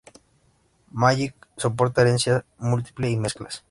Magik soporta herencia múltiple y mezclas.